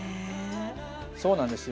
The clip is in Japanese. そうなんですよ。